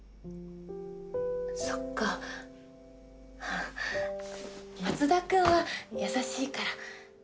そっかハハッ松田くんは優しいから。